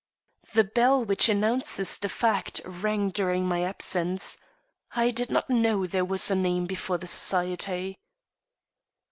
"The bell which announces the fact rang during my absence. I did not know there was a name before the society."